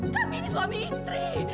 kami ini suami istri